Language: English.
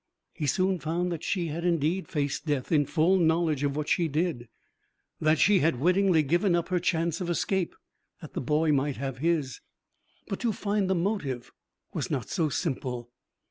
He soon found that she had indeed faced death in full knowledge of what she did; that she had wittingly given up her chance of escape that the boy might have his. But to find the motive was not so simple.